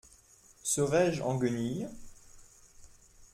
Serais-je en guenilles ?